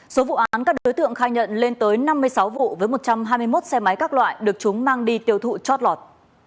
số vụ án các đối tượng khai nhận lên tới năm mươi sáu vụ với một trăm hai mươi một xe máy các loại được chúng mang đi tiêu thụ chót lọt